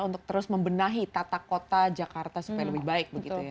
untuk terus membenahi tata kota jakarta supaya lebih baik